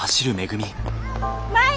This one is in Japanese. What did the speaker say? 舞！